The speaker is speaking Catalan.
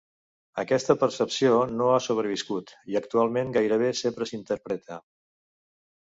Aquesta percepció no ha sobreviscut, i actualment gairebé sempre s'interpreta.